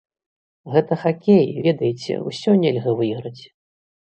Гэта хакей, ведаеце, усё нельга выйграць.